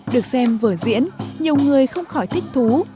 được xem vở diễn nhiều người không khỏi thích thú